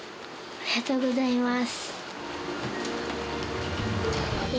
ありがとうございます。